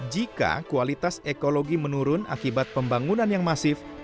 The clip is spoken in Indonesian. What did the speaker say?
jika kualitas ekologi menurun akibat pembangunan yang masif